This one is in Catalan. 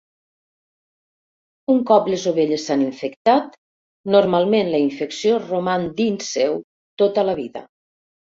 Un cop les ovelles s'han infectat, normalment la infecció roman dins seu tota la vida.